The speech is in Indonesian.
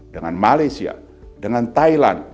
dengan malaysia dengan thailand